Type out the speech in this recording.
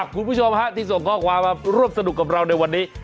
คุณผู้ชมที่ส่งข้อความมาร่วมสนุกกับเราในวันนี้